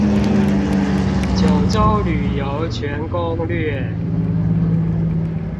九州旅遊全攻略